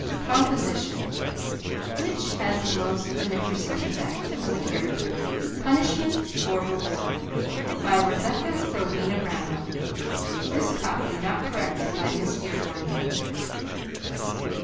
COMPOSITION WHICH HAS THE MOST BENEFERCENT EFFECT ON THE CHARACTER, PUNISHMENT OR REWARD? By Rebecca Rowena Randall (This copy not corrected by Miss Dearborn yet.)